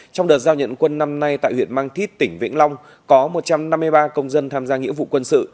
trong đợt giao nhận quân năm nay tại huyện mang thít tỉnh vĩnh long có một trăm năm mươi ba công dân tham gia nghĩa vụ quân sự